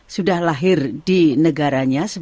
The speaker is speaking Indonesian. sudah lahir di negaranya